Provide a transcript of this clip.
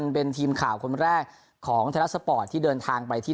เป็นทีมข่าวคนแรกของไทยรัฐสปอร์ตที่เดินทางไปที่